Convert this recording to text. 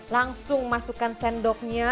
langsung masukkan sendoknya